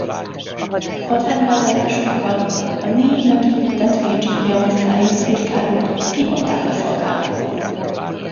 Hadrendbe állásukkal a négy megépített Virginia osztályú cirkálót kivonták a szolgálatból.